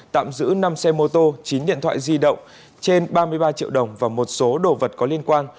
tạm giữ năm xe mô tô chín điện thoại di động trên ba mươi ba triệu đồng và một số đồ vật có liên quan